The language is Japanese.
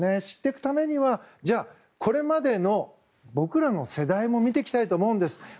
知っていくためにはこれまでの僕らの世代も見ていきたいと思うんです。